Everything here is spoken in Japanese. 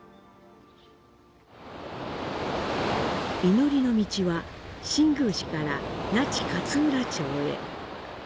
祈りの道は新宮市から那智勝浦町へ。